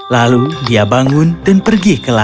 lalu dia bangun dan pergi ke laut